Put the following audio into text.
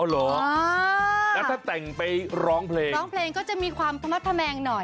แล้วถ้าแต่งไปร้องเพลงร้องเพลงก็จะมีความทะมัดทะแมงหน่อย